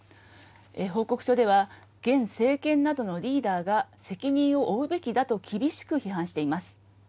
報告書では、現政権などのリーダーが責任を負うべきだと厳しく批判しています。